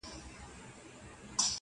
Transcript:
چي هر څه یم په دنیا کي ګرځېدلی،